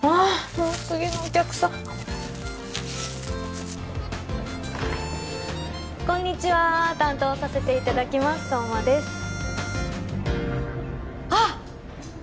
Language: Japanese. もう次のお客さんこんにちは担当させていただきます相馬ですあっ